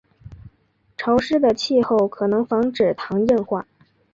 潮湿的气候可能防止糖硬化。